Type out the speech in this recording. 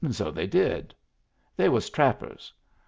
So they did. They was trappers.